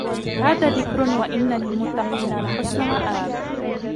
هَذَا ذِكْرٌ وَإِنَّ لِلْمُتَّقِينَ لَحُسْنَ مَآبٍ